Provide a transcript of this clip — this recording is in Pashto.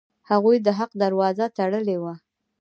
هغوی د حق دروازه تړلې وه.